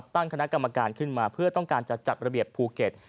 ตั้งคณะกรรมการขึ้นมาเพื่อต้องการจะจัดระเบียบภูเก็ต